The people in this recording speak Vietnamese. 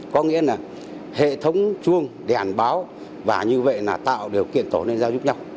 có nghĩa là hệ thống chuông đèn báo và như vậy là tạo điều kiện tổ liên giao giúp nhau